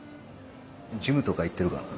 ジムとか行ってるかな。